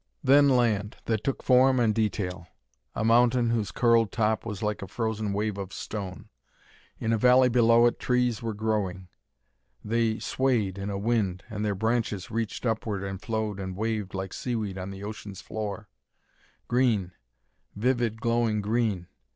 Then land, that took form and detail; a mountain whose curled top was like a frozen wave of stone. In a valley below it trees were growing. They swayed in a wind, and their branches reached upward and flowed and waved like seaweed on the ocean's floor. Green vivid, glowing green!